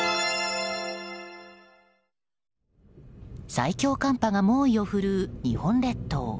最強寒波が猛威を振るう日本列島。